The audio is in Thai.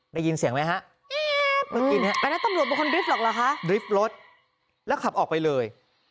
ได้ยินเสียงไหมฮะดริฟต์รถแล้วขับออกไปเลย